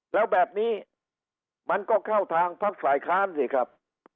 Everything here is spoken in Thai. แล้วแบบนี้มันก็เข้าทางพักฝ่ายค้านสิครับ